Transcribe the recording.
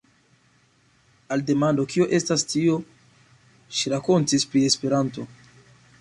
Al demando kio estas tio, ŝi rakontis pri Esperanto.